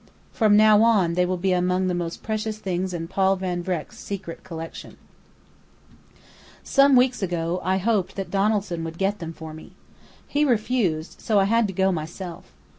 From now on they will be among the most precious things in Paul Van Vreck's secret collection. "Some weeks ago I hoped that Donaldson would get them for me. He refused, so I had to go myself.